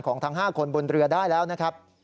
ทั้ง๕คนบนเรือได้แล้วนะครับ